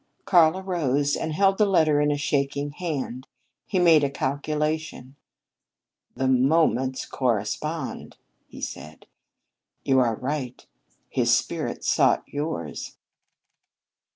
Karl arose and held the letter in a shaking hand. He made a calculation. "The moments correspond," he said. "You are right; his spirit sought yours."